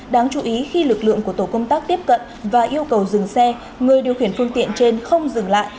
đáng chú ý khi lực lượng của tổ công tác tiếp cận và yêu cầu dừng xe người điều khiển phương tiện trên không dừng lại